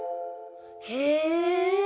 へえ！